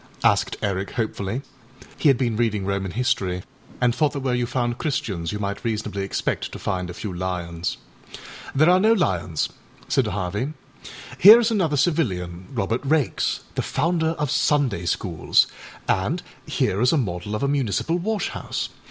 â asked Eric hopefully. He had been reading Roman history and thought that where you found Christians you might reasonably expect to find a few lions. âThere are no lions,â said Harvey. âHere is another civilian, Robert Raikes, the founder of Sunday schools, and here is a model of a municipal wash house.